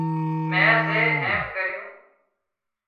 مين زي ايم ڪريون